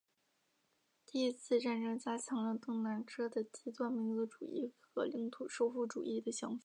第一次战争加强了邓南遮的极端民族主义和领土收复主义的想法。